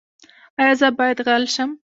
ایا زه باید غل شم؟